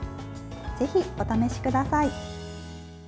ぜひ、お試しください。